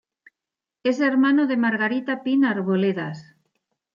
Es hermano de Margarita Pin Arboledas.